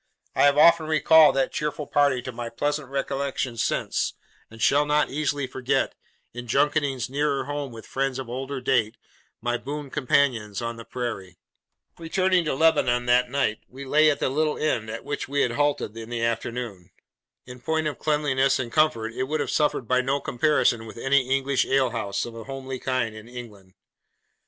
I have often recalled that cheerful party to my pleasant recollection since, and shall not easily forget, in junketings nearer home with friends of older date, my boon companions on the Prairie. Returning to Lebanon that night, we lay at the little inn at which we had halted in the afternoon. In point of cleanliness and comfort it would have suffered by no comparison with any English alehouse, of a homely kind, in England.